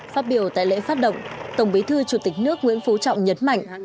phát biểu tại lễ phát động tổng bí thư chủ tịch nước nguyễn phú trọng nhấn mạnh